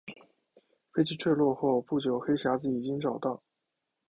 飞机坠毁后不久黑匣子已经找到。